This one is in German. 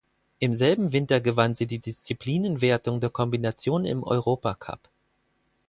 Im selben Winter gewann sie die Disziplinenwertung der Kombination im Europacup.